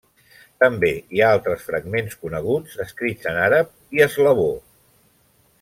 També hi ha altres fragments coneguts escrits en àrab i eslavó.